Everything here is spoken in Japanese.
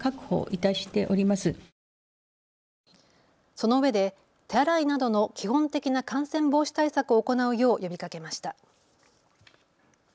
そのうえで手洗いなどの基本的な感染防止対策を行うよう呼びかけました。